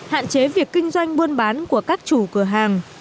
hạn chế việc kinh doanh buôn bán của các chủ cửa hàng